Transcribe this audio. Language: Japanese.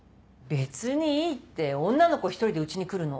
「別にいい」って女の子一人でうちに来るの？